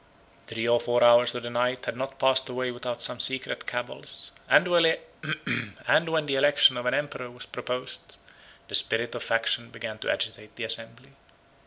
Three or four hours of the night had not passed away without some secret cabals; and when the election of an emperor was proposed, the spirit of faction began to agitate the assembly.